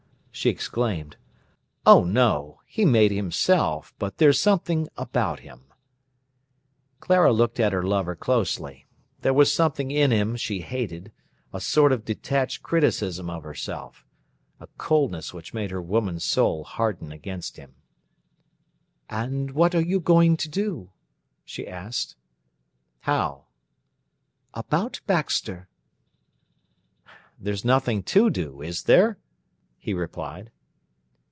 she exclaimed. "Oh no! he made himself. But there's something about him—" Clara looked at her lover closely. There was something in him she hated, a sort of detached criticism of herself, a coldness which made her woman's soul harden against him. "And what are you going to do?" she asked. "How?" "About Baxter." "There's nothing to do, is there?" he replied.